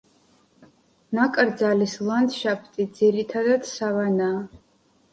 ნაკრძალის ლანდშაფტი ძირითადად სავანაა.